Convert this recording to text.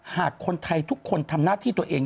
หากคนไทยทุกคนทำหน้าที่ตัวเอง